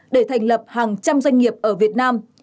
để thành lập hàng trăm doanh nghiệp ở việt nam